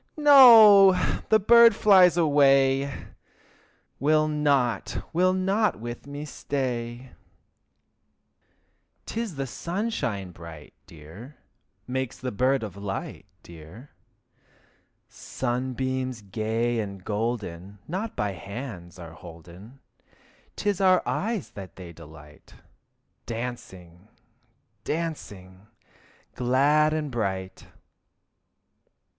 No! the birdie flies away! Will not, will not with me stay. 'Tis the sunshine bright, dear, Makes the bird of light, dear. Sunbeams gay and golden Not by hands are holden. 'Tis our eyes that they delight, Dancing, dancing, glad and bright.